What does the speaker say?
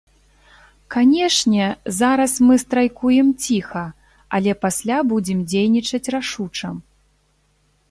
Канешне, зараз мы страйкуем ціха, але пасля будзем дзейнічаць рашуча.